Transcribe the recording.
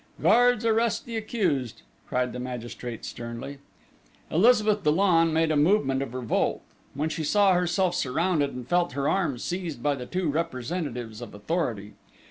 Guards, arrest the accused!" cried the magistrate sternly. Elizabeth Dollon made a movement of revolt, when she saw herself surrounded and felt her arms seized by the two representatives of authority.